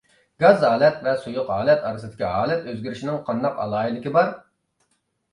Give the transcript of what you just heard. گاز ھالەت ۋە سۇيۇق ھالەت ئارىسىدىكى ھالەت ئۆزگىرىشىنىڭ قانداق ئالاھىدىلىكى بار؟